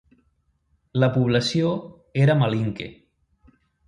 La població era malinke.